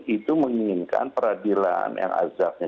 itu menginginkan peradilan yang azabnya